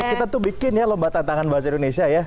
kita tuh bikin ya lomba tantangan bahasa indonesia ya